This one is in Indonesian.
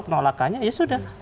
penolakannya ya sudah